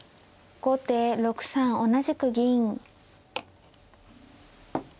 後手６三同じく銀。